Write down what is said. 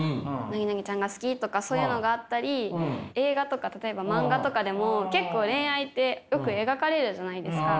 ちゃんが好きとかそういうのがあったり映画とか例えば漫画とかでも結構恋愛ってよく描かれるじゃないですか。